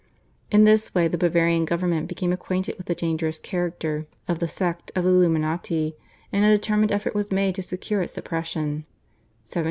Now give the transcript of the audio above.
In this way the Bavarian government became acquainted with the dangerous character of the sect of the /Illuminati/, and a determined effort was made to secure its suppression (1784 1785).